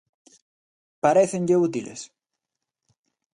¿Parécenlle útiles?